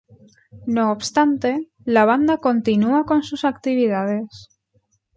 No obstante, la banda continúa con sus actividades.